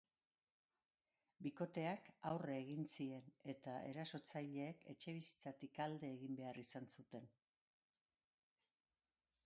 Bikoteak aurre egin zien eta erasotzaileek etxebizitzatik alde egin behar izan zuten.